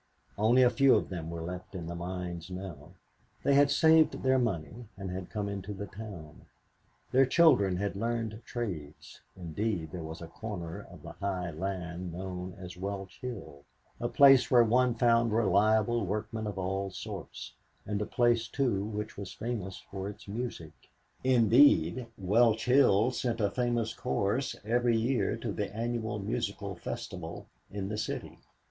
Only a few of them were left in the mines now. They had saved their money and had come into the town. Their children had learned trades, indeed there was a corner of the high land known as Welsh Hill; a place where one found reliable workmen of all sorts, and a place too which was famous for its music; indeed, Welsh Hill sent a famous chorus every year to the annual musical festival in the City.